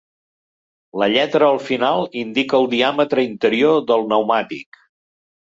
La lletra al final indica el diàmetre interior del pneumàtic.